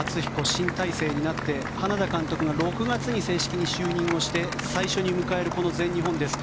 新体制になって花田監督が６月に正式に就任して最初に迎える全日本です。